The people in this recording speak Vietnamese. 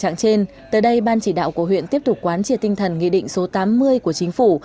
ngay ban chỉ đạo của huyện tiếp tục quán triệt tinh thần nghị định số tám mươi của chính phủ